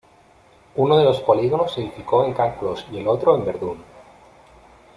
Uno de los polígonos se edificó en Can Clos y el otro en Verdún.